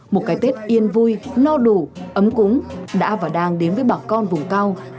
một cái tết yên vui no đủ ấm cúng đã và đang đến với bà con vùng cao